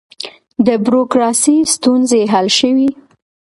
د بروکراسۍ ستونزې حل شوې؟